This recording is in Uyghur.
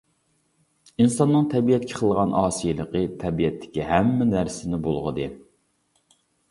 ئىنساننىڭ تەبىئەتكە قىلغان ئاسىيلىقى تەبىئەتتىكى ھەممە نەرسىنى بۇلغىدى.